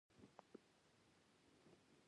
ګډ کار او همکاري ستونزې له منځه وړي.